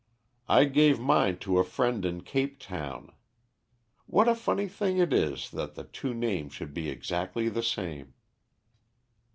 I gave mine to a friend in Cape Town. What a funny thing it is that the two names should be exactly the same."